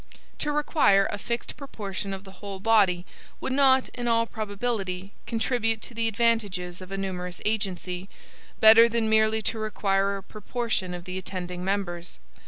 To require a fixed proportion of the whole body would not, in all probability, contribute to the advantages of a numerous agency, better then merely to require a proportion of the attending members.